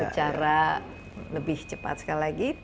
secara lebih cepat sekali lagi